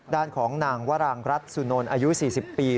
ด้านของนางวรางรัฐสุนนท์อายุ๔๐ปี